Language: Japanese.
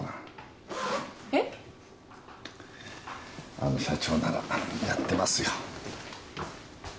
あの社長ならやってますよ。